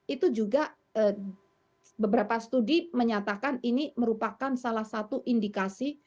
itu juga beberapa studi menyatakan ini merupakan salah satu indikasi